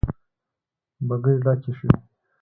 بګۍ ډکې شوې.